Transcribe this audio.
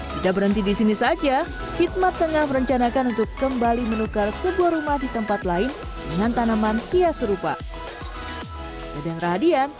sudah berhenti di sini saja hikmat tengah merencanakan untuk kembali menukar sebuah rumah di tempat lain dengan tanaman hias serupa